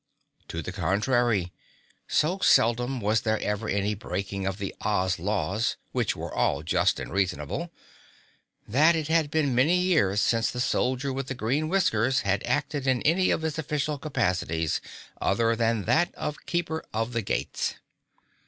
To the contrary, so seldom was there ever any breaking of the Oz laws which were all just and reasonable that it had been many years since the Soldier with the Green Whiskers had acted in any of his official capacities other than that of Keeper of the Gates.